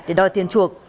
để đòi tiền chuộc